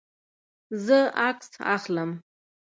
زه عکس اخلم